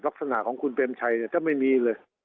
ลักษณะของคุณเปรมชัยจะไม่มีเลย